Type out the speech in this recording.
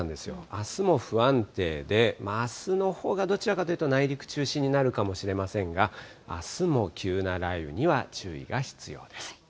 あすも不安定で、あすのほうがどちらかというと、内陸中心になるかもしれませんが、あすも急な雷雨には注意が必要です。